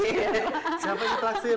siapa yang ditaksir